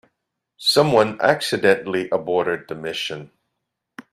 Someone accidentally aborted the mission.